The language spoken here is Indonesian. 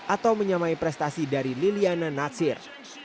atau menyamai prestasi dari liliana natsir